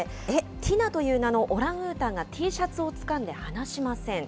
ティナという名のオランウータンがＴシャツをつかんで離しません。